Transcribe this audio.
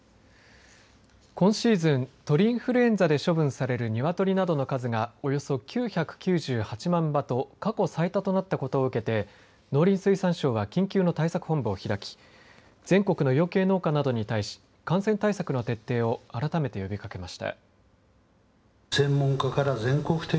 今シーズン、鳥インフルエンザで処分される鶏などの数がおよそ９９８万羽と過去最多となったことを受けて農林水産省は緊急の対策本部を開き全国の養鶏農家などに対し感染対策の徹底を改めて呼びかけました。